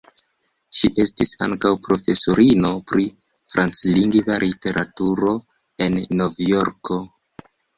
Ŝi estis ankaŭ profesorino pri franclingva literaturo en Novjorko.